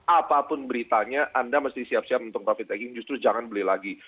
apapun beritanya anda mesti siap siap untuk profit taking justru jangan beli lagi